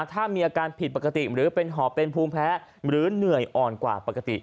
ถ้ามีอาการผิดปกติหรือเป็นหอบเป็นภูมิแพ้หรือเหนื่อยอ่อนกว่าปกติ